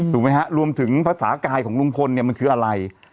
ถูกไหมฮะรวมถึงภาษากายของลุงพลเนี่ยมันคืออะไร